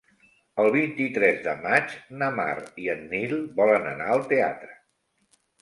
El vint-i-tres de maig na Mar i en Nil volen anar al teatre.